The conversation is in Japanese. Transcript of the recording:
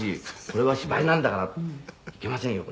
「“これは芝居なんだからいけませんよ